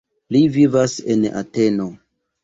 Li vivas en Ateno.